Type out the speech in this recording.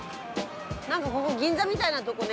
何かここ銀座みたいなとこね。